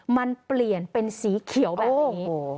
มันเปลี่ยนเป็นสีเขียวแบบนี้